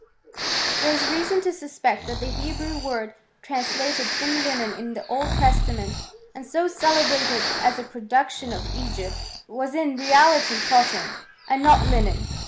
There is reason to suspect that the Hebrew word trans lated j^ne linen in the Old Testament, and so celebnited: as a production of Egypt, was in reality cottony and no£' linen.